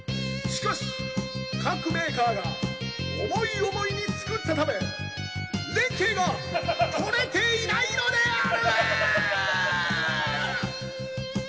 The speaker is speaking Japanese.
しかし各メーカーが思い思いに作ったため、連係がとれていないのである！